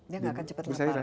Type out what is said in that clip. dia gak cepat lapar